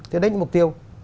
thế đấy là mục tiêu